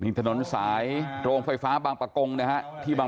นี่ถนนสายโรงไฟฟ้าบางประกง